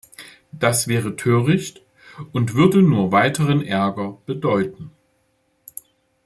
Das wäre töricht und würde nur weiteren Ärger bedeuten.